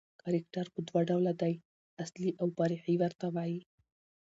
کرکټر په دوه ډوله دئ، اصلي اوفرعي ورته وايي.